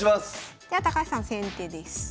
では高橋さん先手です。